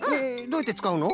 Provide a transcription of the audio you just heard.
どうやってつかうの？